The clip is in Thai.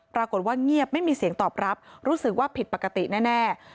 ปรากฏว่าเงียบไม่มีเสียงตอบรับรู้สึกว่าผิดปกติแน่